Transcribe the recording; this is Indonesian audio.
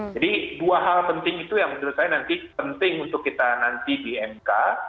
jadi dua hal penting itu yang menurut saya nanti penting untuk kita nanti di mk